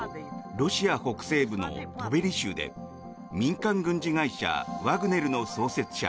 ロシア北西部のトベリ州で民間軍事会社ワグネルの創設者